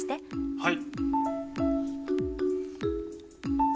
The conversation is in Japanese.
はい。